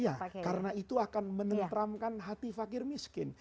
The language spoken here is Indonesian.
iya karena itu akan menentramkan hati fakir miskin